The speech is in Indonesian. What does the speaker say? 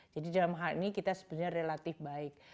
jadi dalam hal ini kita sebenarnya relatif baik